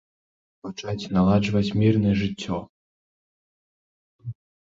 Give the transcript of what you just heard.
Пачаць наладжваць мірнае жыццё.